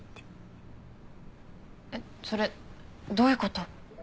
えっそれどういう事？